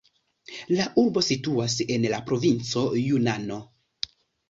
La urbo situas en la provinco Junano.